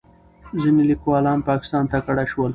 ځینې لیکوالان پاکستان ته کډه شول.